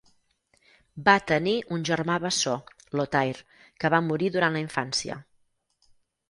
Va tenir un germà bessó, Lothair que va morir durant la infància.